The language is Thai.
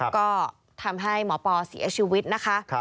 ก็ทำให้หมอปอเสียชีวิตนะคะ